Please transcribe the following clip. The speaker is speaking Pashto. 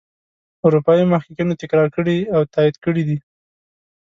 اروپايي محققینو تکرار کړي او تایید کړي دي.